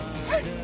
はい！